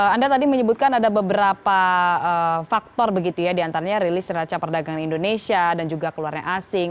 anda tadi menyebutkan ada beberapa faktor diantaranya rilis rilis seraca perdagangan indonesia dan juga keluarnya asing